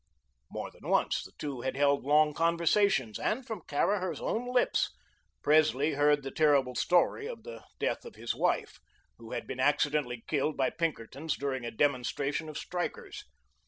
More than once, the two had held long conversations, and from Caraher's own lips, Presley heard the terrible story of the death of his wife, who had been accidentally killed by Pinkertons during a "demonstration" of strikers.